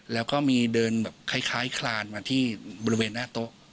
แล้วก็มีเดินแบบคล้ายคลานมาที่บริเวณหน้าโต๊ะ